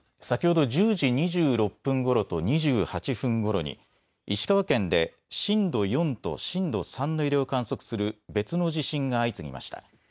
先ほど１０時２６分ごろと２８分ごろに石川県で震度４と震度３の揺れを観測する別の地震が相次ぎました。